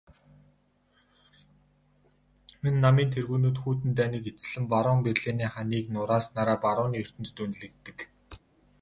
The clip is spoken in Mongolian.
Энэ намын тэргүүнүүд хүйтэн дайныг эцэслэн баруун Берлиний ханыг нурааснаараа барууны ертөнцөд үнэлэгддэг.